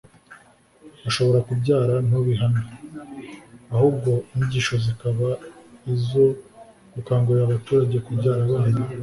ashobora kubyara ntube ihame, ahubwo inyigisho zikaba izo gukangurira abaturage kubyara abana